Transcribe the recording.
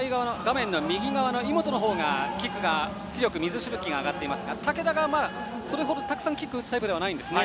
井本の方が、キックが強く水しぶきが上がっていますが竹田はたくさんキックを打つタイプじゃないんですね。